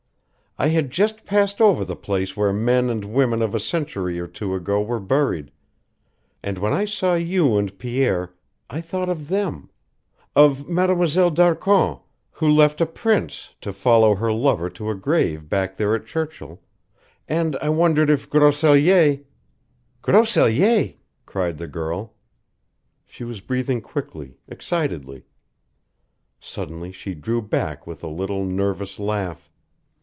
"I had just passed over the place where men and women of a century or two ago were buried, and when I saw you and Pierre I thought of them; of Mademoiselle D'Arcon, who left a prince to follow her lover to a grave back there at Churchill, and I wondered if Grosellier " "Grosellier!" cried the girl. She was breathing quickly, excitedly. Suddenly she drew back with a little, nervous laugh.